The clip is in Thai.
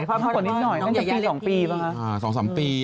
อะไรก็มี